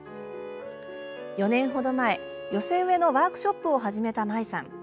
４年ほど前、寄せ植えのワークショップを始めたＭＡｉさん。